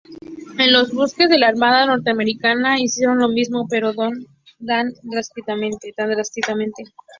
En los buques de la armada norteamericana hicieron lo mismo, pero no tan drásticamente.